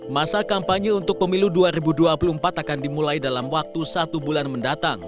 masa kampanye untuk pemilu dua ribu dua puluh empat akan dimulai dalam waktu satu bulan mendatang